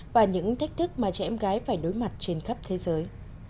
và những thách thức mà trẻ em gái phải đối mặt trên khắp thế giới